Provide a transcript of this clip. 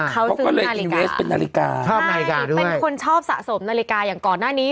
เค้าซื้อนาฬิกาใช่เป็นคนชอบสะสมนาฬิกาอย่างก่อนหน้านี้